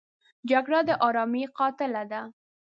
جګړه د آرامۍ قاتله ده